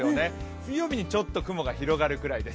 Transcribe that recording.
水曜日にちょっと雲が広がるくらいです。